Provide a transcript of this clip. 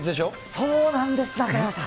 そうなんです、中山さん。